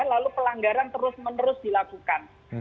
lalu pelanggaran terus menerus dilakukan